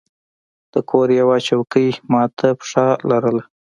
د کور یوه څوکۍ مات پښه لرله.